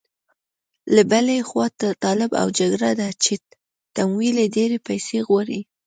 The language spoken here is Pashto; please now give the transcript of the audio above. له بلې خوا طالب او جګړه ده چې تمویل یې ډېرې پيسې غواړي.